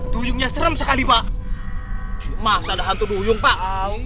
dujungnya serem sekali pak mas ada hantu dujung pak